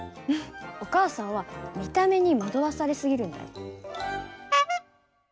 お母さんは見た目に惑わされ過ぎるんだよ。